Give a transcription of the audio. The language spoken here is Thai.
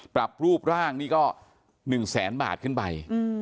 ปรับรูปร่างนี่ก็๑แสนบาทขึ้นไป